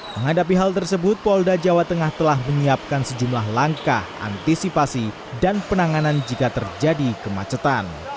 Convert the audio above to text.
menghadapi hal tersebut polda jawa tengah telah menyiapkan sejumlah langkah antisipasi dan penanganan jika terjadi kemacetan